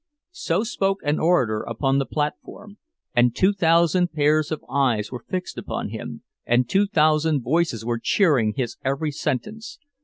—So spoke an orator upon the platform; and two thousand pairs of eyes were fixed upon him, and two thousand voices were cheering his every sentence.